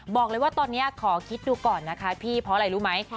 บอกเลยว่าตอนนี้ขอคิดดูก่อนนะคะพี่เพราะอะไรรู้ไหม